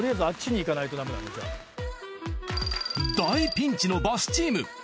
大ピンチのバスチーム。